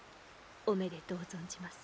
おめでとう存じます。